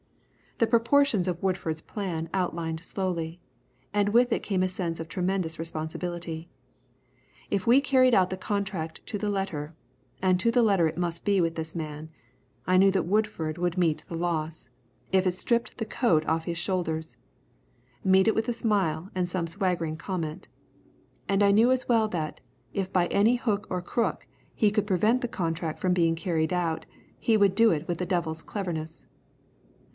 The proportions of Woodford's plan outlined slowly, and with it came a sense of tremendous responsibility. If we carried out the contract to the letter, and to the letter it must be with this man, I knew that Woodford would meet the loss, if it stripped the coat off of his shoulders, meet it with a smile and some swaggering comment. And I knew as well that, if by any hook or crook he could prevent the contract from being carried out, he would do it with the devil's cleverness.